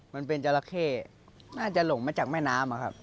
มันเป็นจราเข้น่าจะหลงมาจากแม่น้ำอะครับ